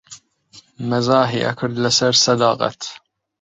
مەزاحی ئەکرد لەسەر سەداقەت